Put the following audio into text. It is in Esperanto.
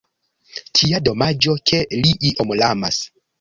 Kia domaĝo ke li iom lamas!